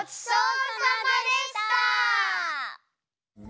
そう！